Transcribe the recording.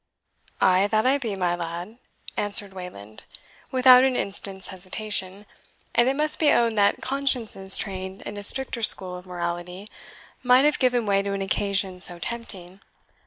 "Ay, that I be, my lad," answered Wayland, without an instant's hesitation; and it must be owned that consciences trained in a stricter school of morality might have given way to an occasion so tempting.